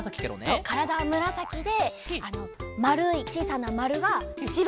そうからだはむらさきでまるいちいさなまるがしろ。